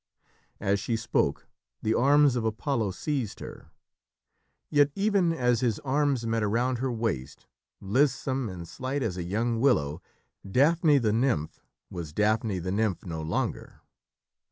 As she spoke the arms of Apollo seized her, yet, even as his arms met around her waist, lissome and slight as a young willow, Daphne the nymph was Daphne the nymph no longer.